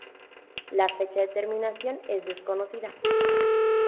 La fecha de terminación es desconocida.